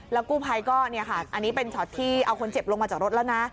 กู้ภัยก็เนี่ยค่ะอันนี้เป็นช็อตที่เอาคนเจ็บลงมาจากรถแล้วนะ